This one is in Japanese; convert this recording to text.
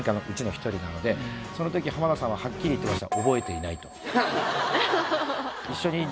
なのでその時浜田さんははっきり言ってました。